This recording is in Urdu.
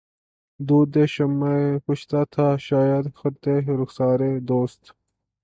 دودِ شمعِ کشتہ تھا شاید خطِ رخسارِ دوست